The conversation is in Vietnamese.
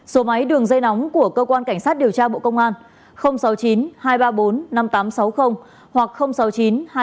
số máy đường dây nóng của cơ quan cảnh sát điều tra bộ công an sáu mươi chín hai trăm ba mươi bốn năm nghìn tám trăm sáu mươi hoặc sáu mươi chín hai trăm ba mươi hai một nghìn sáu trăm sáu mươi bảy